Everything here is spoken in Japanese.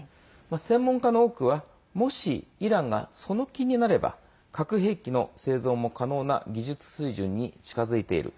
専門家の多くはもし、イランがその気になれば核兵器の製造も可能な技術水準に近づいている。